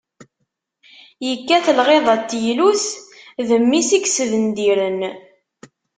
Yekkat lɣiḍa n teylut, d mmi-s i yesbendiren.